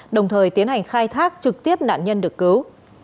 đồng thời tiến hành khai thác trực tiếp nạn nhân được cứu